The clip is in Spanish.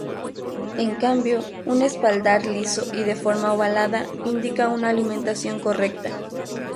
En cambio, un espaldar liso y de forma ovalada indica una alimentación correcta.